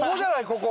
ここ！